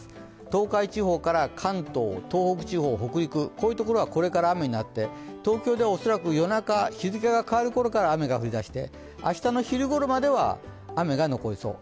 東海地方から関東、東北地方、北陸、こういうところはこれから雨になって、東京では恐らく夜中、日付が変わる頃から雨が降りだして明日の昼ごろまでは雨が残りそう。